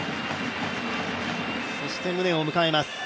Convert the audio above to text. そして宗を迎えます。